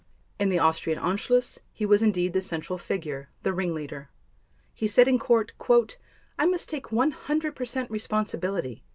In the Austrian Anschluss, he was indeed the central figure, the ringleader. He said in Court: "I must take 100 percent responsibility.